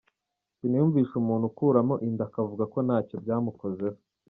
Siniyumvisha umuntu ukuramo inda akavuga ko ntacyo byamukozeho.